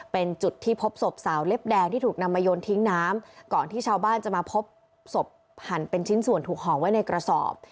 เป็นจุดที่พบศพสาวเล็บแดงที่ถูกนำมาโยนทิ้งน้ำก่อนที่ชาวบ้านจะมาพบศพหั่นเป็นชิ้นส่วนถูกห่อไว้ในกระสอบ